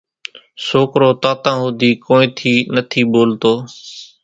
سوڪرو تانتان ھوڌي ڪونئين ٿي نٿي ٻولتو